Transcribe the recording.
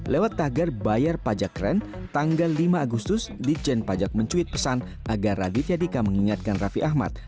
lewat tagar bayar pajak ren tanggal lima agustus ditjen pajak mencuit pesan agar raditya dika mengingatkan raffi ahmad